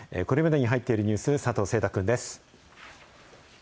これまでに入っているニュース、佐藤誠太君です。